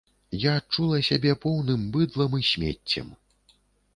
Я адчула сябе поўным быдлам і смеццем.